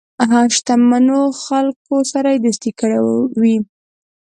شته منو خلکو سره یې دوستی کړې وي.